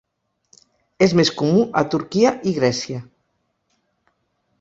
És més comú a Turquia i Grècia.